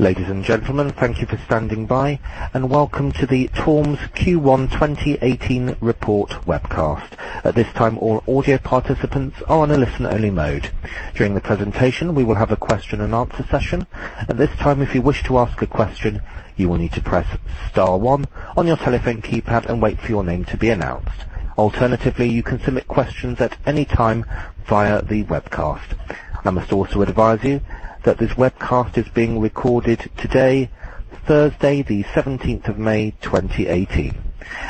Ladies and gentlemen, thank you for standing by, welcome to the TORM's Q1 2018 report webcast. At this time, all audio participants are on a listen-only mode. During the presentation, we will have a question and answer session. At this time, if you wish to ask a question, you will need to press star one on your telephone keypad and wait for your name to be announced. Alternatively, you can submit questions at any time via the webcast. I must also advise you that this webcast is being recorded today, Thursday, May 17, 2018.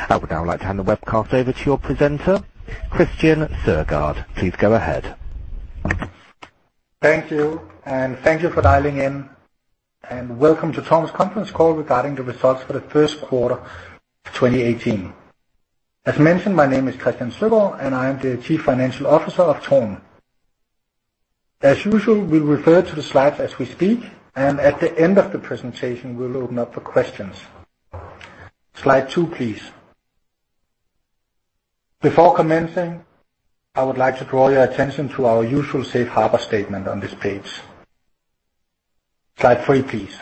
I would now like to hand the webcast over to your presenter, Christian Søgaard. Please go ahead. Thank you, and thank you for dialing in, and welcome to TORM's conference call regarding the results for the first quarter of 2018. As mentioned, my name is Christian Søgaard, and I am the Chief Financial Officer of TORM. As usual, we refer to the slides as we speak, and at the end of the presentation, we'll open up for questions. Slide two, please. Before commencing, I would like to draw your attention to our usual safe harbor statement on this page. Slide three, please.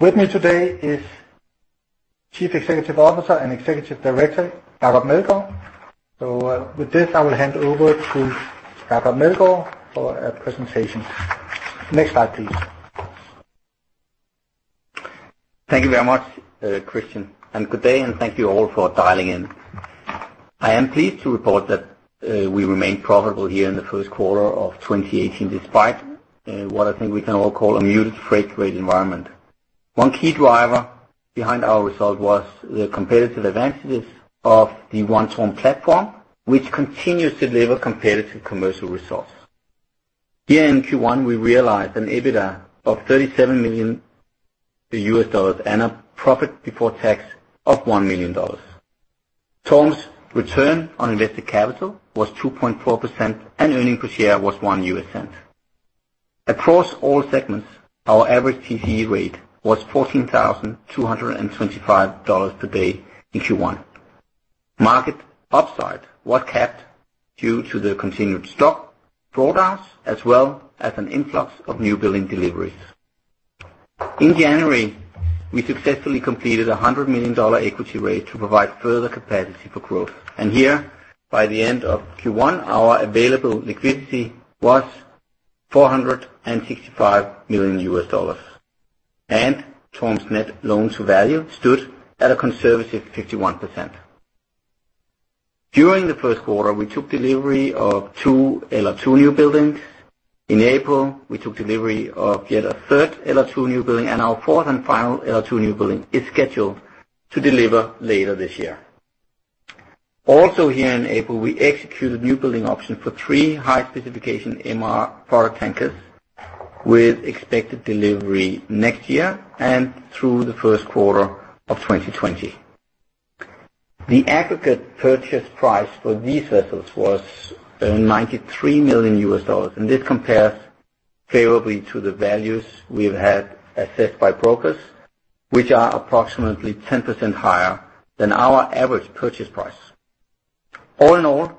With me today is Chief Executive Officer and Executive Director, Jacob Meldgaard. With this, I will hand over to Jacob Meldgaard for a presentation. Next slide, please. Thank you very much, Christian, and good day, and thank you all for dialing in. I am pleased to report that we remain profitable here in the first quarter of 2018, despite what I think we can all call a muted freight rate environment. One key driver behind our result was the competitive advantages of the One TORM platform, which continues to deliver competitive commercial results. Here in Q1, we realized an EBITDA of $37 million and a profit before tax of $1 million. TORM's Return on Invested Capital was 2.4%, and earnings per share was $0.01. Across all segments, our average TCE rate was $14,225 per day in Q1. Market upside was capped due to the continued stock products, as well as an influx of new building deliveries. In January, we successfully completed a $100 million equity raise to provide further capacity for growth, and here, by the end of Q1, our available liquidity was $465 million, and TORM's net loan-to-value stood at a conservative 51%. During the first quarter, we took delivery of 2 LR2 new buildings. In April, we took delivery of yet a third LR2 new building, and our fourth and final LR2 new building is scheduled to deliver later this year. Also, here in April, we executed a new building option for three high-specification MR product tankers with expected delivery next year and through the first quarter of 2020. The aggregate purchase price for these vessels was $93 million, and this compares favorably to the values we've had assessed by brokers, which are approximately 10% higher than our average purchase price. All in all,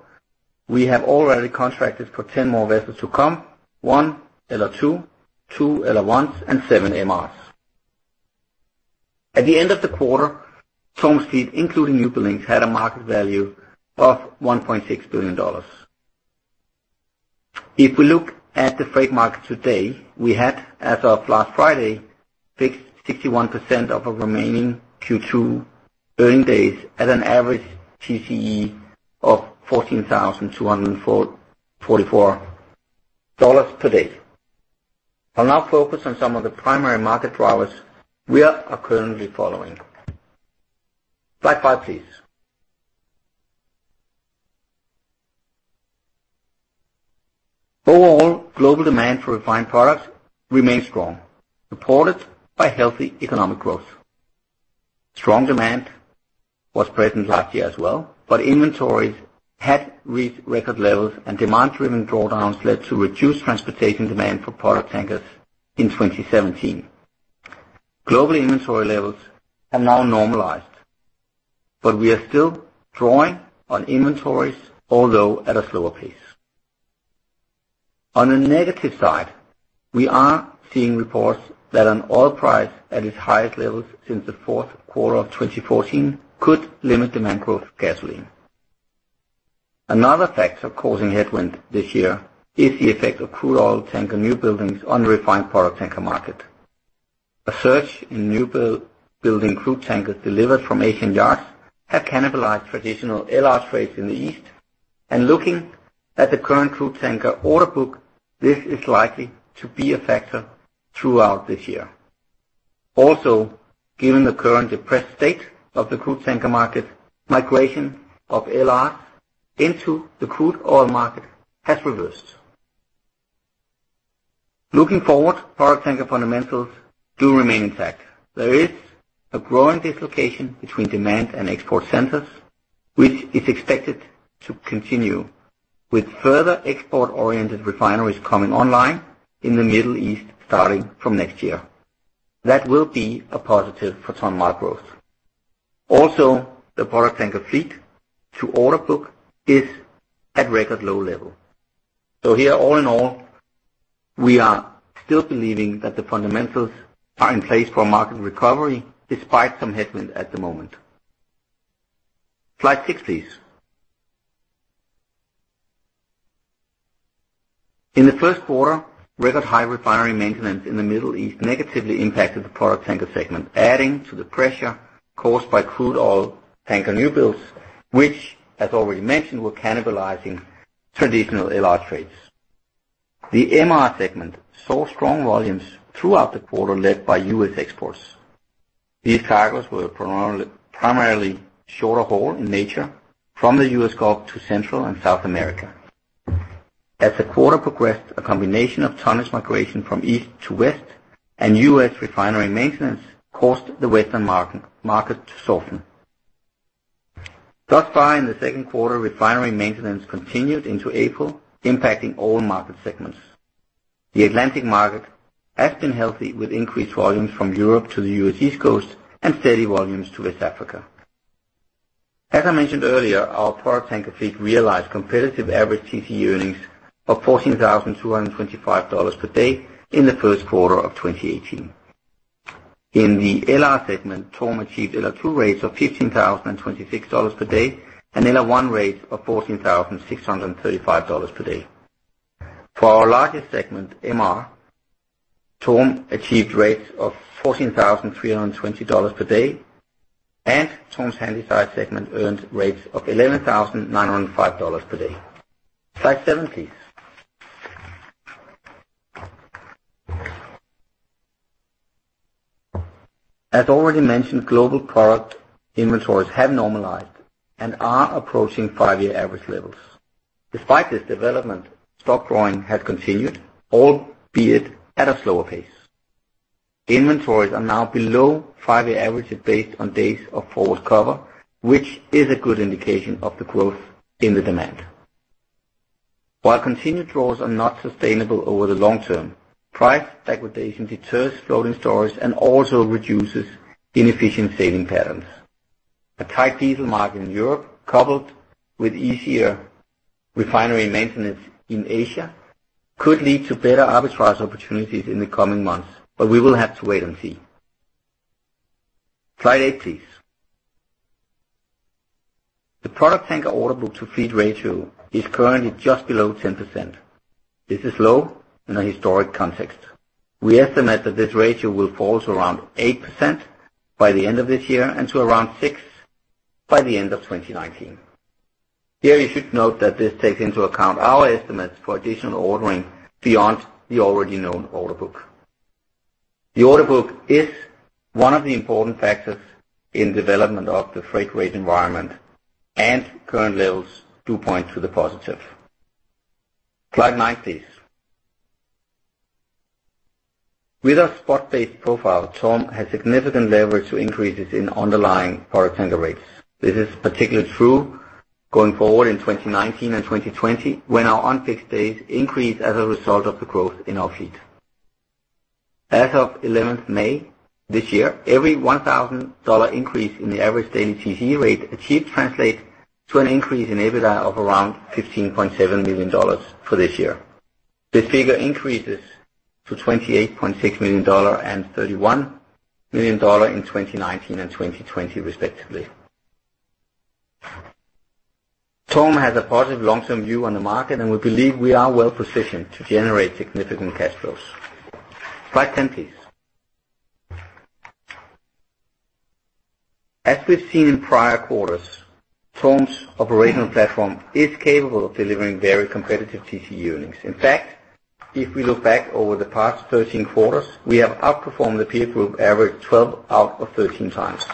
we have already contracted for 10 more vessels to come: one LR2, two LR1s, and seven MRs. At the end of the quarter, TORM's fleet, including new buildings, had a market value of $1.6 billion. We had, as of last Friday, fixed 61% of our remaining Q2 earning days at an average TCE of $14,244 per day. I'll now focus on some of the primary market drivers we are currently following. Slide five, please. Overall, global demand for refined products remains strong, supported by healthy economic growth. Inventories had reached record levels, and demand-driven drawdowns led to reduced transportation demand for product tankers in 2017. Global inventory levels have now normalized, but we are still drawing on inventories, although at a slower pace. On the negative side, we are seeing reports that an oil price at its highest levels since the fourth quarter of 2014 could limit demand growth for gasoline. Another factor causing headwind this year is the effect of crude oil tanker building crude tankers delivered from Asian yards have cannibalized traditional LR trades in the East, and looking at the current crude tanker orderbook, this is likely to be a factor throughout this year. Given the current depressed state of the crude tanker market, migration of LR into the crude oil market has reversed. Looking forward, product tanker fundamentals do remain intact. There is a growing dislocation between demand and export centers, which is expected to continue, with further export-oriented refineries coming online in the Middle East, starting from next year. That will be a positive for TORM market growth. The product tanker fleet to order book is at record low level. Here, all in all, we are still believing that the fundamentals are in place for market recovery, despite some headwind at the moment. Slide six, please. In the first quarter, record high refinery maintenance in the Middle East negatively impacted the product tanker segment, adding to the pressure caused by crude oil tanker new builds, which, as already mentioned, were cannibalizing traditional LR trades. The MR segment saw strong volumes throughout the quarter, led by U.S. exports. These cargos were primarily shorter haul in nature from the U.S. Gulf to Central and South America. As the quarter progressed, a combination of tonnage migration from east to west and U.S. refinery maintenance caused the Western market to soften. Thus far, in the second quarter, refinery maintenance continued into April, impacting all market segments. The Atlantic market has been healthy, with increased volumes from Europe to the U.S. East Coast and steady volumes to West Africa. As I mentioned earlier, our product tanker fleet realized competitive average TCE earnings of $14,225 per day in the first quarter of 2018. In the LR segment, TORM achieved LR2 rates of $15,026 per day, and LR1 rates of $14,635 per day. For our largest segment, MR, TORM achieved rates of $14,320 per day, and TORM's Handysize segment earned rates of $11,905 per day. Slide seven, please. As already mentioned, global product inventories have normalized and are approaching five year average levels. Despite this development, stock drawing has continued, albeit at a slower pace. Inventories are now below five year averages based on days of forward cover, which is a good indication of the growth in the demand. While continued draws are not sustainable over the long term, price liquidation deters floating storage and also reduces inefficient sailing patterns. A tight diesel market in Europe, coupled with easier refinery maintenance in Asia, could lead to better arbitrage opportunities in the coming months, but we will have to wait and see. Slide eight, please. The product tanker orderbook-to-fleet ratio is currently just below 10%. This is low in a historic context. We estimate that this ratio will fall to around 8% by the end of this year and to around 6% by the end of 2019. Here, you should note that this takes into account our estimates for additional ordering beyond the already known orderbook. The orderbook is one of the important factors in development of the freight rate environment, Current levels do point to the positive. Slide nine, please. With our spot-based profile, TORM has significant leverage to increases in underlying product tanker rates. This is particularly true going forward in 2019 and 2020, when our unfixed days increase as a result of the growth in our fleet. As of 11th May this year, every $1,000 increase in the average daily TC rate achieved translates to an increase in EBITDA of around $15.7 million for this year. This figure increases to $28.6 million and $31 million in 2019 and 2020, respectively. TORM has a positive long-term view on the market, and we believe we are well positioned to generate significant cash flows. Slide 10, please. As we've seen in prior quarters, TORM's operational platform is capable of delivering very competitive TC earnings. In fact, if we look back over the past 13 quarters, we have outperformed the peer group average 12 out of 13x,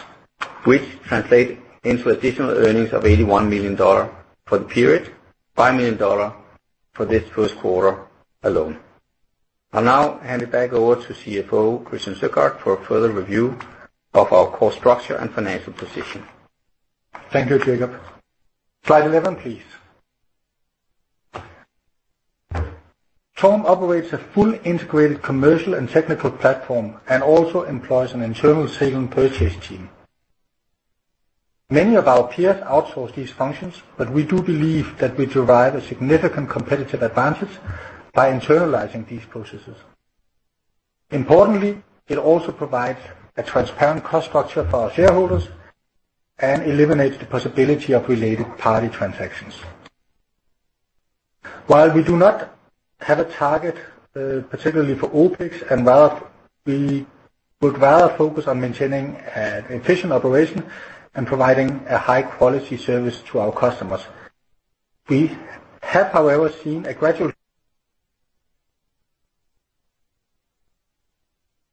which translate into additional earnings of $81 million for the period, $5 million for this first quarter alone. I'll now hand it back over to CFO, Christian Søgaard, for a further review of our cost structure and financial position. Thank you, Jacob. Slide 11, please. TORM operates a full integrated commercial and technical platform and also employs an internal sales and purchase team. Many of our peers outsource these functions, but we do believe that we derive a significant competitive advantage by internalizing these processes. Importantly, it also provides a transparent cost structure for our shareholders and eliminates the possibility of related party transactions. While we do not have a target, particularly for OpEx, and rather, we would rather focus on maintaining efficient operation and providing a high quality service to our customers. We have, however, seen a gradual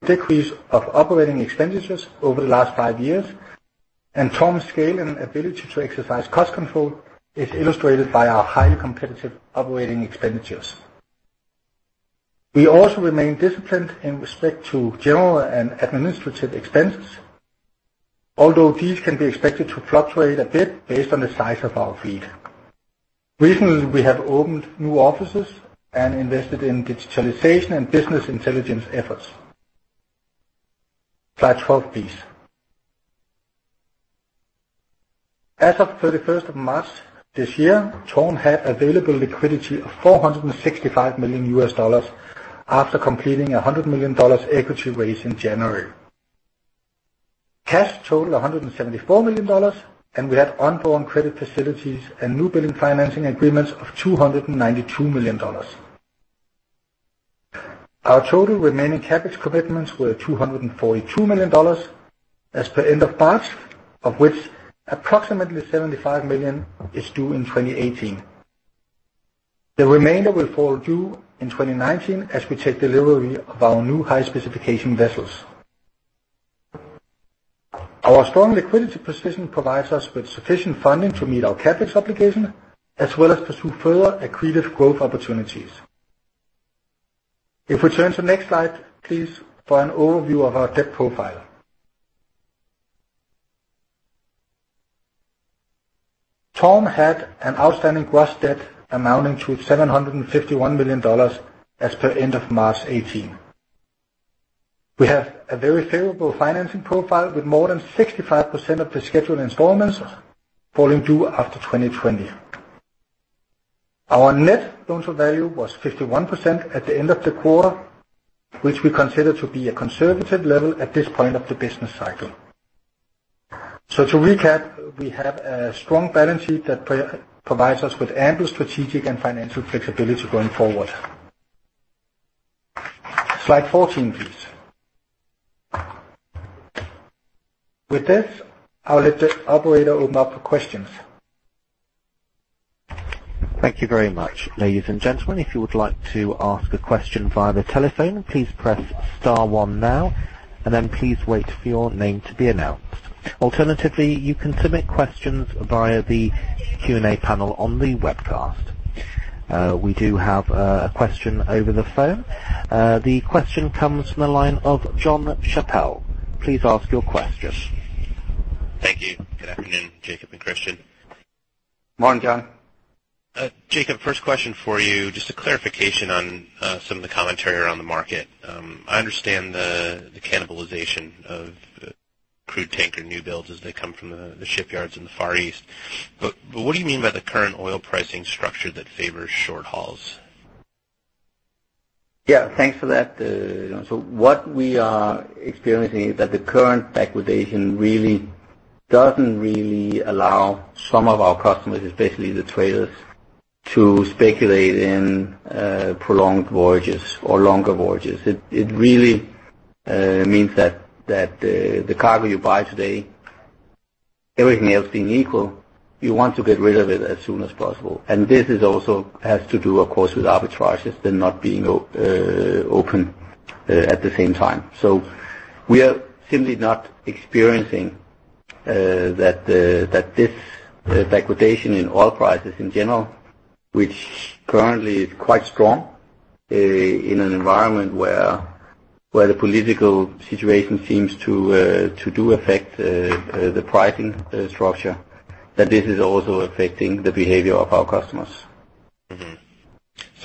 decrease of operating expenditures over the last five years, and TORM's scale and ability to exercise cost control is illustrated by our highly competitive operating expenditures. We also remain disciplined in respect to general and administrative expenses, although these can be expected to fluctuate a bit based on the size of our fleet.... Recently, we have opened new offices and invested in digitalization and business intelligence efforts. Slide 12, please. As of 31st of March this year, TORM had available liquidity of $465 million after completing a $100 million equity raise in January. Cash total, $174 million, we had undrawn credit facilities and new building financing agreements of $292 million. Our total remaining CapEx commitments were $242 million as per end of March, of which approximately $75 million is due in 2018. The remainder will fall due in 2019 as we take delivery of our new high specification vessels. Our strong liquidity position provides us with sufficient funding to meet our CapEx obligation, as well as pursue further accretive growth opportunities. We turn to the next slide, please, for an overview of our debt profile. TORM had an outstanding gross debt amounting to $751 million as per end of March 2018. We have a very favorable financing profile, with more than 65% of the scheduled installments falling due after 2020. Our net loan-to-value was 51% at the end of the quarter, which we consider to be a conservative level at this point of the business cycle. To recap, we have a strong balance sheet that provides us with ample strategic and financial flexibility going forward. Slide 14, please. With this, I'll let the operator open up for questions. Thank you very much. Ladies and gentlemen, if you would like to ask a question via the telephone, please press star one now, and then please wait for your name to be announced. Alternatively, you can submit questions via the Q&A panel on the webcast. We do have a question over the phone. The question comes from the line of Jonathan Chappell. Please ask your question. Thank you. Good afternoon, Jacob and Christian. Morning, John. Jacob, first question for you. Just a clarification on some of the commentary around the market. I understand the cannibalization of crude tanker new builds as they come from the shipyards in the Far East. What do you mean by the current oil pricing structure that favors short hauls? Thanks for that. What we are experiencing is that the current backwardation really doesn't allow some of our customers, especially the traders, to speculate in prolonged voyages or longer voyages. It really means that, the cargo you buy today, everything else being equal, you want to get rid of it as soon as possible. This is also has to do, of course, with arbitrages, them not being open at the same time. We are simply not experiencing that this backwardation in oil prices in general, which currently is quite strong, in an environment where the political situation seems to do affect the pricing structure, that this is also affecting the behavior of our customers. Mm-hmm.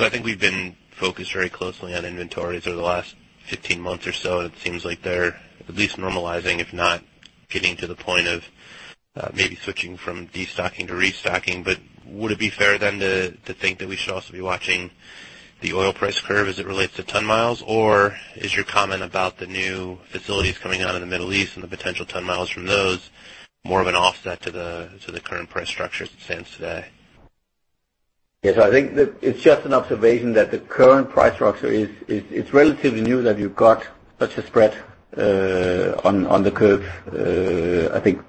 I think we've been focused very closely on inventories over the last 15 months or so, and it seems like they're at least normalizing, if not getting to the point of maybe switching from destocking to restocking. Would it be fair then, to think that we should also be watching the oil price curve as it relates to ton-miles? Is your comment about the new facilities coming out in the Middle East and the potential ton-miles from those, more of an offset to the current price structure as it stands today? I think that it's just an observation that the current price structure is, it's relatively new, that you've got such a spread on the curve. I think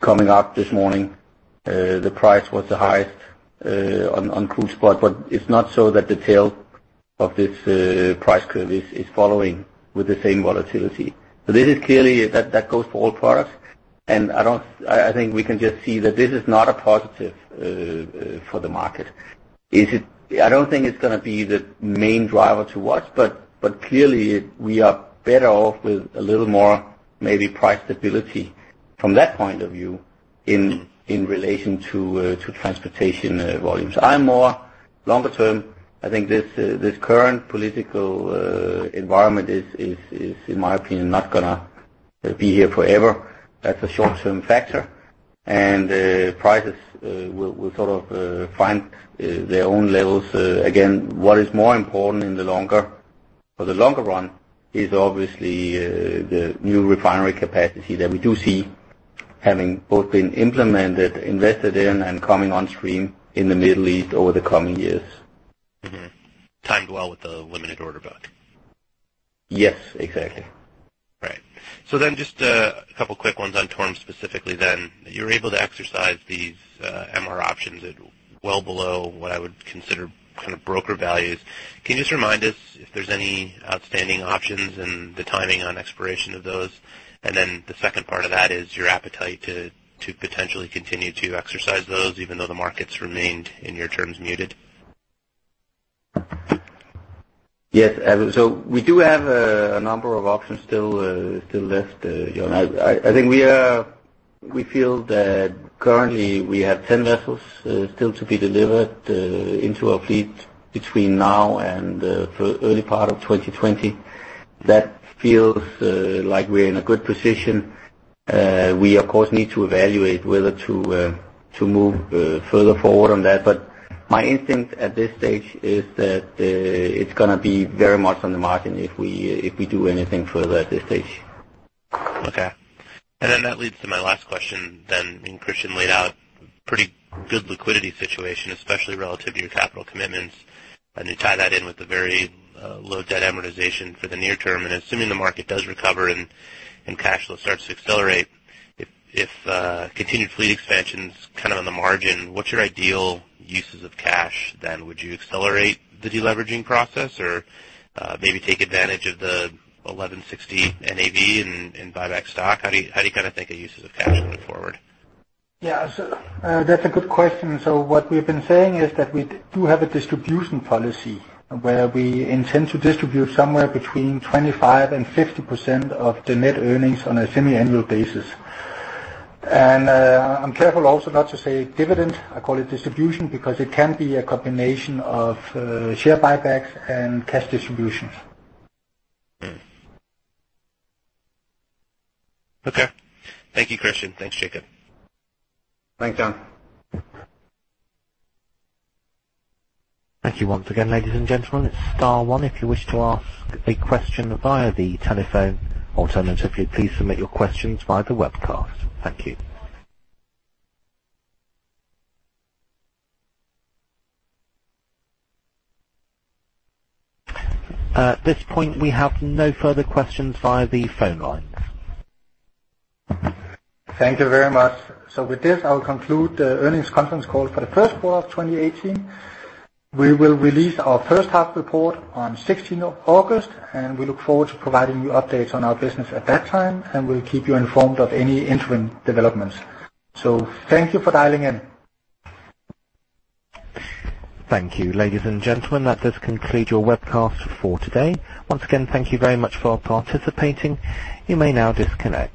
coming up this morning, the price was the highest on crude spot, but it's not so that the tail of this price curve is following with the same volatility. This is clearly that goes for all products, and I don't think we can just see that this is not a positive for the market. Is it? I don't think it's gonna be the main driver to watch, but clearly, we are better off with a little more, maybe price stability from that point of view in relation to transportation volumes. I'm more longer term. I think this current political environment is, in my opinion, not gonna be here forever. That's a short-term factor, and prices will sort of find their own levels. Again, what is more important for the longer run is obviously the new refinery capacity that we do see, having both been implemented, invested in, and coming on stream in the Middle East over the coming years. Mm-hmm. Timed well with the limited order book. Yes, exactly. Right. Just a couple quick ones on TORM specifically, then. You're able to exercise these MR options at well below what I would consider kind of broker values. Can you just remind us if there's any outstanding options and the timing on expiration of those? The second part of that is your appetite to potentially continue to exercise those, even though the market's remained, in your terms, muted. Yes, we do have a number of options still left, John. I think we feel that currently we have 10 vessels still to be delivered into our fleet between now and for early part of 2020. That feels like we're in a good position. We, of course, need to evaluate whether to move further forward on that. My instinct at this stage is that it's gonna be very much on the margin if we do anything further at this stage. Okay. That leads to my last question then, and Christian laid out pretty good liquidity situation, especially relative to your capital commitments, and you tie that in with a very low debt amortization for the near term. Assuming the market does recover and cash flow starts to accelerate, if continued fleet expansion is kind of on the margin, what's your ideal uses of cash then? Would you accelerate the deleveraging process or maybe take advantage of the 11.6 NAV and buy back stock? How do you kind of think of uses of cash moving forward? Yeah, that's a good question. What we've been saying is that we do have a distribution policy, where we intend to distribute somewhere between 25% and 50% of the net earnings on a semiannual basis. I'm careful also not to say dividend. I call it distribution, because it can be a combination of share buybacks and cash distributions. Okay. Thank you, Christian. Thanks, Jacob. Thanks, John. Thank you once again, ladies and gentlemen. It's star one if you wish to ask a question via the telephone. Alternatively, please submit your questions via the webcast. Thank you. At this point, we have no further questions via the phone lines. Thank you very much. With this, I'll conclude the earnings conference call for the first quarter of 2018. We will release our first half report on 16th of August, and we look forward to providing you updates on our business at that time, we'll keep you informed of any interim developments. Thank you for dialing in. Thank you, ladies and gentlemen. That does conclude your webcast for today. Once again, thank you very much for participating. You may now disconnect.